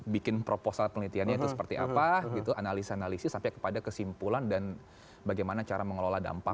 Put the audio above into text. bikin proposal penelitiannya itu seperti apa gitu analisa analisi sampai kepada kesimpulan dan bagaimana cara mengelola dampak